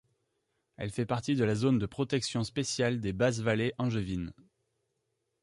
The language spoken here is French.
Elle fait partie de la Zone de protection spéciale des Basses vallées angevines.